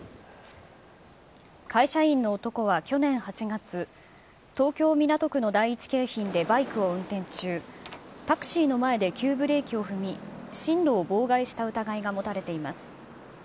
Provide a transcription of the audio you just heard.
会社員の男は去年８月、東京・港区の第一京浜でバイクを運転中、タクシーの前で急ブレーキを踏み、進路を妨害した疑いが持たれています。